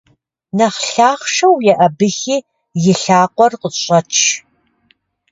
Нэхъ лъахъшэу еӀэбыхи и лъакъуэр къыщӀэч!